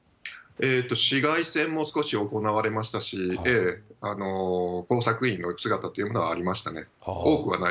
市街戦も少し行われましたし、工作員の姿というものはありましたね。